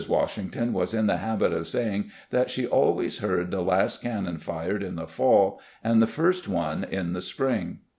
Washington was in the habit of saying that she always heard the last cannon fired in the fall and the first one in the spring.